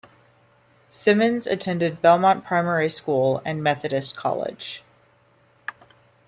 Simmons attended Belmont Primary School and Methodist College.